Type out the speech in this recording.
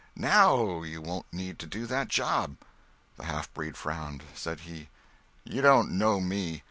"Now you won't need to do that job." The halfbreed frowned. Said he: "You don't know me.